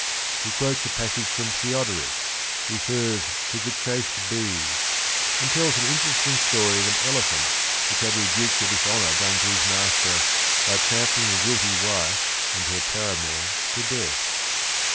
He quotes a passage from Theodoric, refers to the "chaste bees," and tells an interesting story of an elephant which had rebuked the dishonor done to his master by trampling the guilty wife and her paramour to death.